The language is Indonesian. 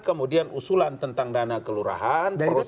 kemudian usulan tentang dana kelurahan